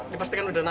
dipastikan sudah naik